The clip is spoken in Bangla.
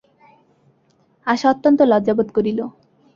আশা অত্যন্ত লজ্জাবোধ করিল।